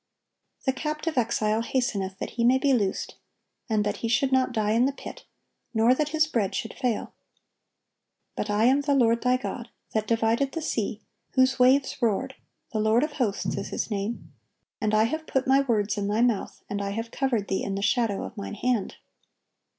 The captive exile hasteneth that he may be loosed, and that he should not die in the pit, nor that his bread should fail. But I am the Lord thy God, that divided the sea, whose waves roared: the Lord of hosts is His name. And I have put My words in thy mouth, and I have covered thee in the shadow of Mine hand."